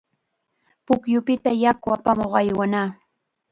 Pukyupita yaku apamuq aywanaq.